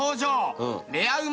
レアうま